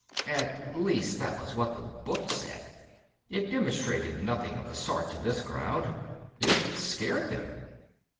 At least that was what the book said. It demonstrated nothing of the sort to this crowd. It scared them.